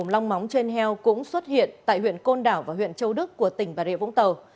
long móng trên heo cũng xuất hiện tại huyện côn đảo và huyện châu đức của tỉnh bà rịa vũng tàu